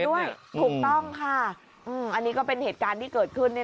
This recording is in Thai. ด้วยถูกต้องค่ะอันนี้ก็เป็นเหตุการณ์ที่เกิดขึ้น